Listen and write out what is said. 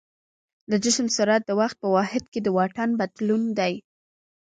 د جسم سرعت د وخت په واحد کې د واټن بدلون دی.